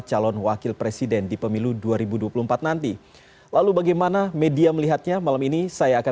calon wakil presiden di pemilu dua ribu dua puluh empat nanti lalu bagaimana media melihatnya malam ini saya akan